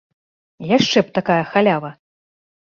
Яшчэ б такая халява!